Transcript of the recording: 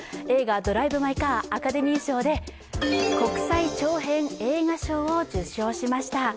映画「ドライブ・マイ・カー」、アカデミー賞で国際長編映画賞を受賞しました。